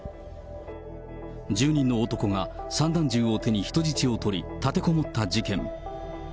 住人の男が散弾銃を手に人質を取り、立てこもった事件。